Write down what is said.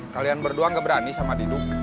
kalian berdua gak berani sama didu